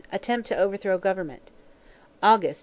Attempt to overthrow Government. August, 1867.